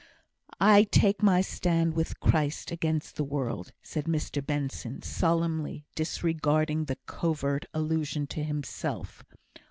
"I take my stand with Christ against the world," said Mr Benson, solemnly, disregarding the covert allusion to himself.